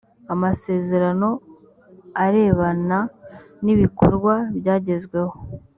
amasezerano arebana n’ ibikorwa byagezweho